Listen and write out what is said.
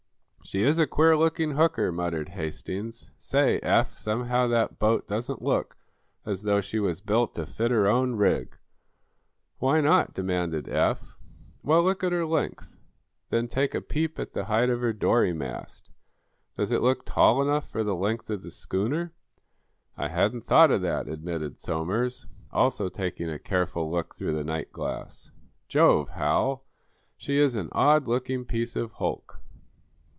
"She is a queer looking hooker," muttered Hastings. "Say, Eph, somehow that boat doesn't look as though she was built to fit her own rig." "Why not!" demanded Eph. "Well, look at her length. Then take a peep at the height of her dory mast. Does it look tall enough for the length of the schooner?" "I hadn't thought of that," admitted Somers, also taking a careful look through the nightglass. "Jove, Hal, she is an odd looking piece of hulk."